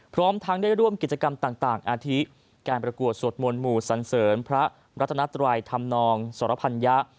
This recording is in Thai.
พร้อมทั้งได้ร่วมกิจกรรมต่างอาทิการประกวดสวดมนต์หมู่สันเสริญพระรัตนัตรัยธรรมนองสรพัญญะ